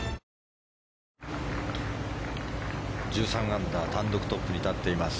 アンダー単独トップに立っています